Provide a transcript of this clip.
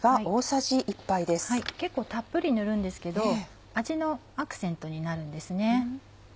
結構たっぷり塗るんですけど味のアクセントになるんですね。